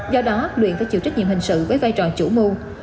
do đó luyện phải chịu trách nhiệm hình sự với vai trò chủ mưu